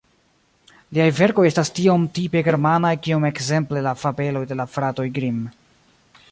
Liaj verkoj estas tiom tipe germanaj kiom ekzemple la fabeloj de la fratoj Grimm.